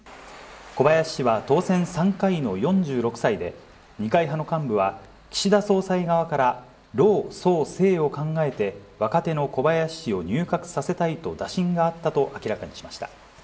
小林氏は当選３回の４６歳で、二階派の幹部は、岸田総裁側から老壮青を考えて、若手の小林氏を入閣させたいと打診があったと明らかにしました。